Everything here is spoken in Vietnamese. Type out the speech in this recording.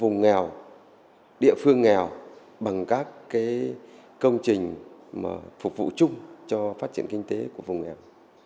vùng nghèo địa phương nghèo bằng các công trình phục vụ chung cho phát triển kinh tế của vùng nghèo